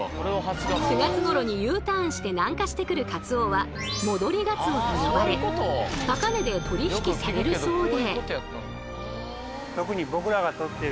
９月頃にＵターンして南下してくるカツオは「戻りガツオ」と呼ばれ高値で取り引きされるそうで。